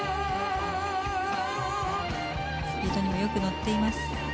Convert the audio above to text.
スピードにもよく乗っています。